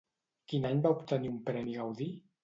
Quin any va obtenir un premi Gaudí?